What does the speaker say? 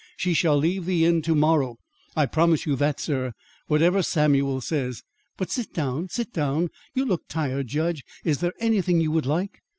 She shall leave the Inn to morrow. I promise you that, sir, whatever Samuel says. But sit down; sit down; you look tired, judge. Is there anything you would like?